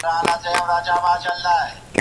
هغه ښوونځی چي اصلاح لري بریالی دی.